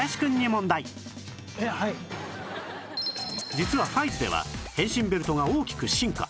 実は『５５５』では変身ベルトが大きく進化